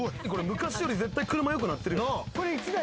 昔より絶対車良くなってるよな。